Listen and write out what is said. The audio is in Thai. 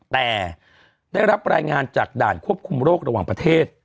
แต่ได้รับรายงานจากด่านควบคุมโรคระหว่างประเทศ